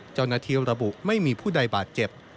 เจ้านาธิระบุไม่มีผู้ใดบาตเจ็บ